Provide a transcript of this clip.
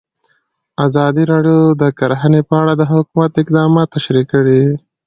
ازادي راډیو د کرهنه په اړه د حکومت اقدامات تشریح کړي.